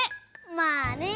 まあね。